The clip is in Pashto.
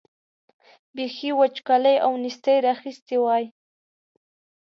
بېخي وچکالۍ او نېستۍ را اخیستي وای.